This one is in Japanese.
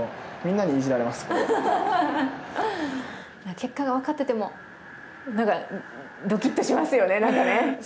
結果が分かってても、ドキッとしますよね、なんかね。